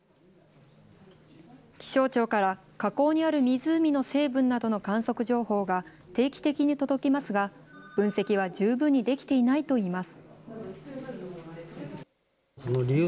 気象庁から、火口にある湖の成分などの観測情報が定期的に届きますが、分析は十分にできていないといいます。